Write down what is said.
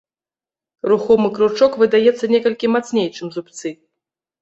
Рухомы кручок выдаецца некалькі мацней, чым зубцы.